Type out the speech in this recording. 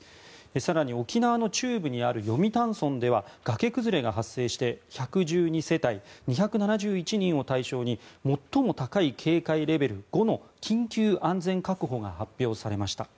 更に、沖縄の中部にある読谷村では崖崩れが発生して１１２世帯２７１人を対象に最も高い警戒レベル５の緊急安全確保が発表されました。